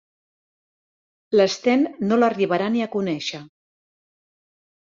L'Sten no l'arribarà ni a conèixer.